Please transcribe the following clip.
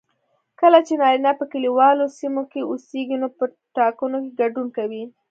کله چې نارینه په کليوالو سیمو کې اوسیږي نو په ټاکنو کې ګډون کوي